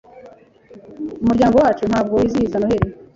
Umuryango wacu ntabwo wizihiza Noheri.